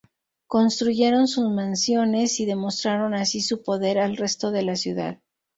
Construyeron sus mansiones y demostraron así su poder al resto de la ciudad.